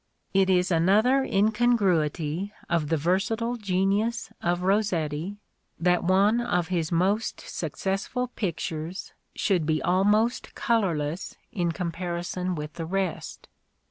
It is another incongruity of the versatile genius of Rossetti, that one of his most success ful pictures should be almost colourless in comparison with the rest.